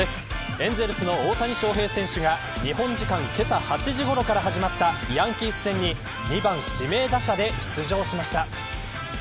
エンゼルスの大谷翔平選手が日本時間、けさ８時ごろから始まったヤンキース戦に２番指名打者で出場しました。